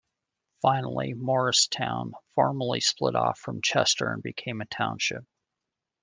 Finally, Moorestown formerly split off from Chester and became a Township.